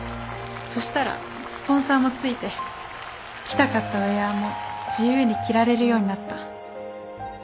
そしたらスポンサーも付いて着たかったウエアも自由に着られるようになった。